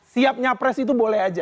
siap nyapres itu boleh